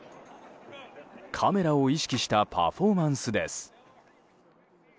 カメラを意識したパフォーマンスです。